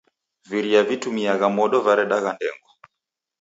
Viria vitumiagha modo varedagha ndengwa.